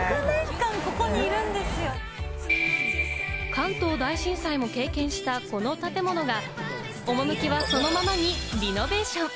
関東大震災も経験したこの建物が、趣はそのままに、リノベーション。